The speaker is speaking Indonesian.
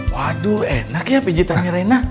waduh enak ya pijitannya reina